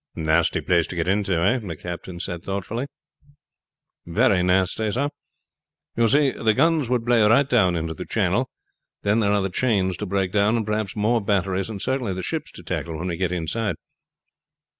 "Nasty place to get into eh?" the captain said thoughtfully. "Very nasty, sir. You see, the guns would play right down into the channel; then there are the chains to break down, and perhaps more batteries, and certainly the ships to tackle when we get inside."